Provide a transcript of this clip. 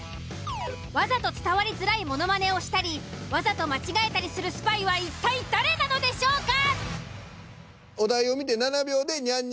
わざと伝わりづらいものまねをしたりわざと間違えたりするスパイは一体誰なのでしょうか？